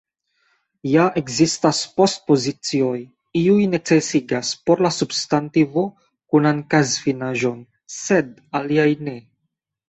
Ja ekzistas post-pozicioj; iuj necesigas por la substantivo kunan kazfinaĵon, sed aliaj ne.